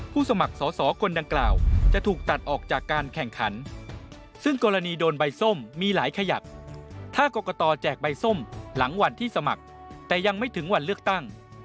สมัครสอสอคนดังกล่าวจะถูกตัดออกจากการแข่งขันซึ่งกรณีโดนใบส้มมีหลายขยักถ้ากรกตแจกใบส้มหลังวันที่สมัครแต่ยังไม่ถึงวันเลือกตั้ง